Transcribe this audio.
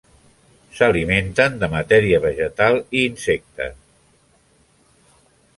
S'alimenten de matèria vegetal i insectes.